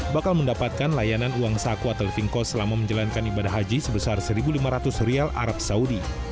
bakal mendapatkan layanan uang saku atau finkos selama menjalankan ibadah haji sebesar rp satu lima ratus arab saudi